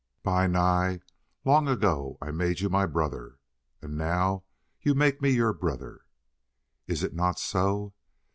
"Bi Nai, long ago I made you my brother. And now you make me your brother. Is it not so?